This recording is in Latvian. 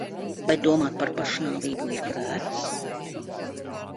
Vai domāt par pašnāvību ir grēks?